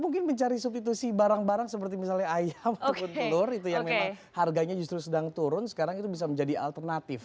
mungkin mencari substitusi barang barang seperti misalnya ayam ataupun telur itu yang memang harganya justru sedang turun sekarang itu bisa menjadi alternatif